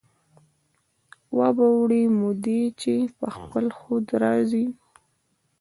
وابه وړي مودې چې په خپل خود را ځي